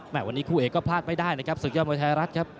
วันนี้คู่เอกก็พลาดไม่ได้นะครับศึกยอดมวยไทยรัฐครับ